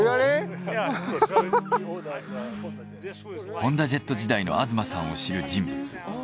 ホンダジェット時代の東さんを知る人物。